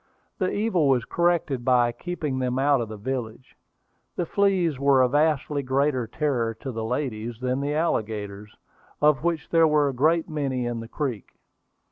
The evil was corrected by keeping them out of the village. The fleas were a vastly greater terror to the ladies than the alligators, of which there were a great many in the creek.